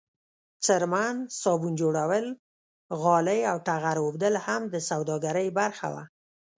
څرمن، صابون جوړول، غالۍ او ټغر اوبدل هم د سوداګرۍ برخه وه.